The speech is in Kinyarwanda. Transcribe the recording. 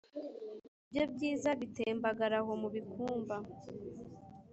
Ibyo byiza bitembagara aho mu bikumba